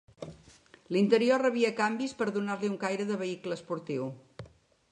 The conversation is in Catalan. L'interior rebia canvis per donar-li un caire de vehicle esportiu.